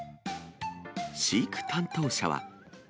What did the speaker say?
飼育担当者は。